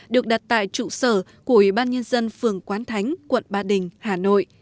được đặt tại trụ sở của ủy ban nhân dân phường quán thánh quận ba đình hà nội